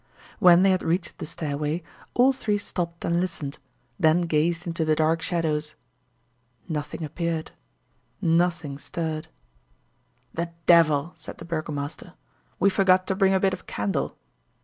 When they had reached the stairway, all three stopped and listened, then gazed into the dark shadows. Nothing appeared nothing stirred. "The devil!" said the burgomaster, "we forgot to bring a bit of candle.